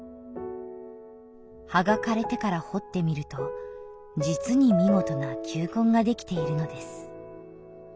「葉が枯れてから掘ってみると実に見事な球根が出来ているのです」